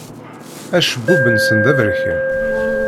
Acebbub-nsen d aberkan.